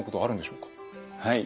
はい。